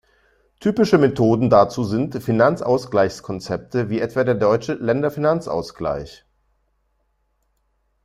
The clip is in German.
Typische Methoden dazu sind Finanzausgleichs-Konzepte wie etwa der deutsche Länderfinanzausgleich.